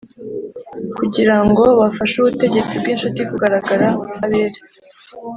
kugira ngo «bafashe ubutegetsi bw'incuti» kugaragara nk'abere.